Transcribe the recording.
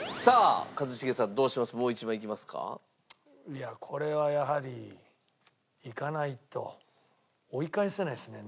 いやこれはやはりいかないと追い返せないですね